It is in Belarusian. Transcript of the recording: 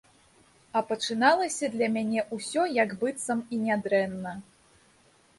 А пачыналася для мяне ўсё, як быццам і нядрэнна.